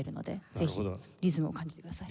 ぜひリズムを感じてください。